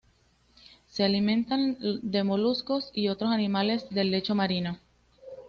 Se alimentan de moluscos y otros animales del lecho marino.